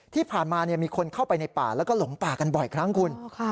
ที่ผ่านมามีคนเข้าไปในป่าแล้วก็หลงป่ากันบ่อยครั้งคุณ